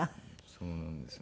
そうなんですよ。